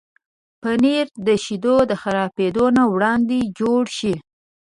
پنېر د شیدو خرابېدو نه وړاندې جوړ شي.